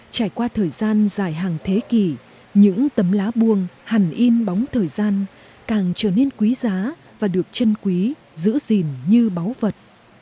trải qua thời gian dài hàng thế kỷ những tấm lá buông hành in bóng thời gian càng trở nên quý giá và được chân quý giữ gìn như báu vật